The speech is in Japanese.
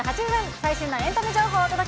最新のエンタメ情報をお届け。